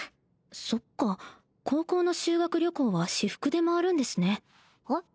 そっか高校の修学旅行は私服で回るんですねえっ？